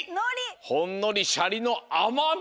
ほんのりしゃりのあまみ。